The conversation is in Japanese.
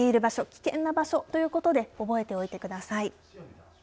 危険な場所ということで覚えておいてください。